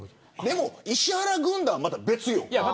石原軍団はまた別よ。